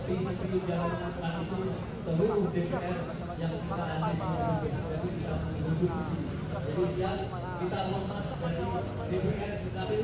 kita harus menambah amanah untuk besok hari